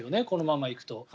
このまま行くと。